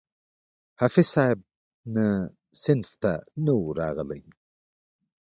حافظ صاحب نه صنف ته نه وو راغلى.